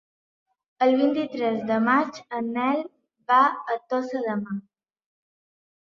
El vint-i-tres de maig en Nel va a Tossa de Mar.